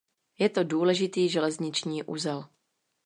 Je to důležitý železniční uzel.